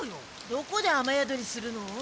どこで雨宿りするの？